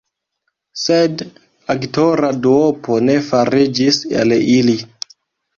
Sed aktora duopo ne fariĝis el ili.